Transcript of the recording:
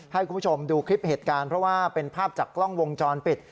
ให้คุณผู้ชมดูคลิปเหตุการณ์เพราะว่าเป็นภาพจากกล้องวงจรปิด